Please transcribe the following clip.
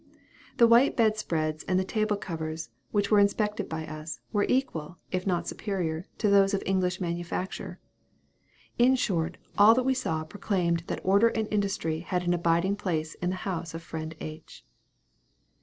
The white bed spreads and the table covers, which were inspected by us, were equal, if not superior, to those of English manufacture; in short, all that we saw proclaimed that order and industry had an abiding place in the house of friend H.